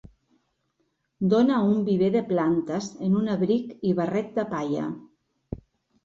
Dona a un viver de plantes en un abric i barret de palla.